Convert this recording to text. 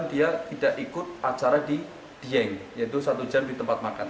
dia tidak ikut acara di dieng yaitu satu jam di tempat makan